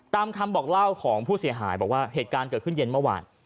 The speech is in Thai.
ตามคำบอกเล่าของผู้เสียหายบอกว่าเหตุการณ์เกิดขึ้นเย็นเมื่อวาน